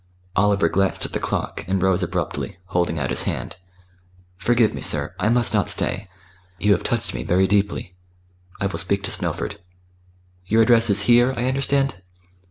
Oliver glanced at the clock, and rose abruptly, holding out his hand. "Forgive me, sir. I must not stay. You have touched me very deeply.... I will speak to Snowford. Your address is here, I understand?"